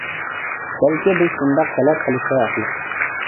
بەلكى بىز شۇنداق تەلەپ قىلىشقا ھەقلىق.